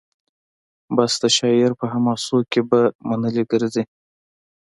بس د شاعر په حماسو کي به منلي ګرځي